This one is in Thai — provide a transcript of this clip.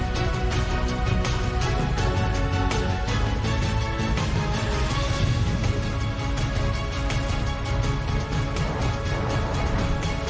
โปรดติดตามตอนต่อไป